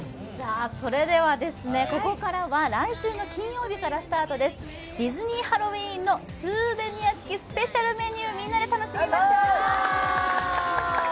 それではここからは来週の金曜日からスタートです、ディズニー・ハロウィーンのスーベニア付きスペシャルメニューをみんなで楽しみましょう。